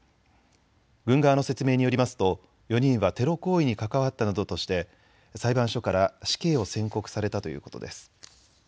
軍側の説明によりますと４人はテロ行為に関わったなどとして裁判所から死刑を宣告されたということです。